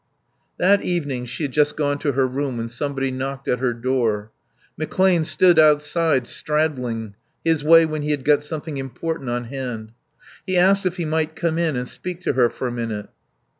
That evening she had just gone to her room when somebody knocked at her door. McClane stood outside, straddling, his way when he had got something important on hand. He asked if he might come in and speak to her for a minute.